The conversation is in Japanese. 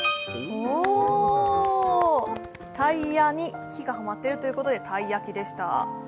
おおっ、タイヤに木がはまっているということでたいやきでした。